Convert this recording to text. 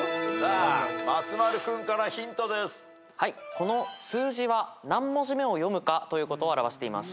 この数字は何文字目を読むかということを表しています。